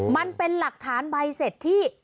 มันเป็นหลักฐานใบเสร็จที่